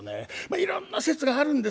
いろんな説があるんですけどね